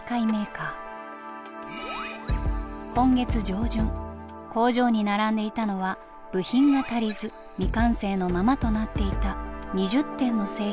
今月上旬工場に並んでいたのは部品が足りず未完成のままとなっていた２０点の製品でした。